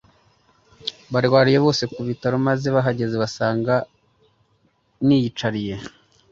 barwariye bose kubitaro maze bahageze basanga niyicariye